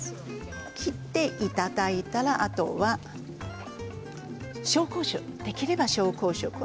切っていただいたらあとはできれば紹興酒。